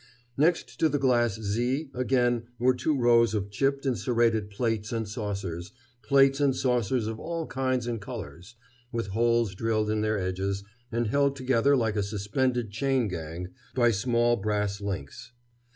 Next to the glass Z again were two rows of chipped and serrated plates and saucers, plates and saucers of all kinds and colors, with holes drilled in their edges, and held together like a suspended chain gang by small brass links.